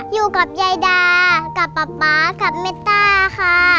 อยู่กับยายดากับป๊าป๊ากับเมตต้าค่ะ